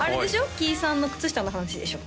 キイさんの靴下の話でしょ？